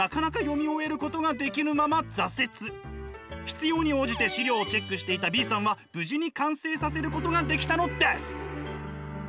必要に応じて資料をチェックしていたＢさんは無事に完成させることができたのです！